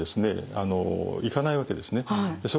あの行かないわけですね。